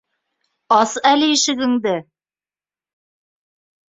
Ас әле ишегеңде.